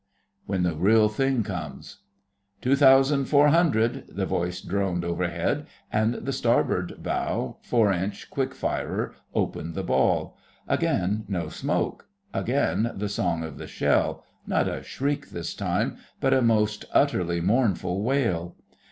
WHEN THE REAL THING COMES 'Two thousand four hundred,' the voice droned overhead, and the starboard bow four inch quick firer opened the ball. Again no smoke; again the song of the shell—not a shriek this time, but a most utterly mournful wail.